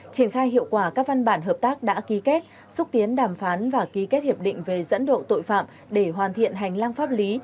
triển khai hiệu quả các văn bản hợp tác đã ký kết xúc tiến đàm phán và ký kết hiệp định về dẫn độ tội phạm để hoàn thiện hành lang pháp lý